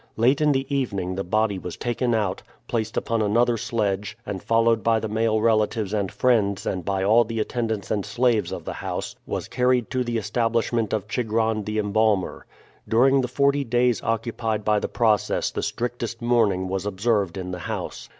Late in the evening the body was taken out, placed upon another sledge, and, followed by the male relatives and friends and by all the attendants and slaves of the house, was carried to the establishment of Chigron the embalmer. During the forty days occupied by the process the strictest mourning was observed in the house.